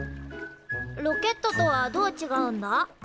ロケットとはどうちがうんだ？